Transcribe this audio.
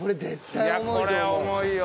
いやこれ重いよ。